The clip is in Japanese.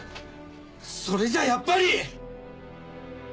それじゃやっぱり。